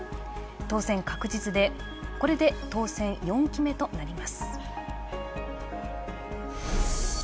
当選確実で、これで４期目となります。